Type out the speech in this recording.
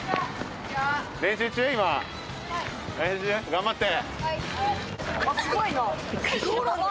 頑張って。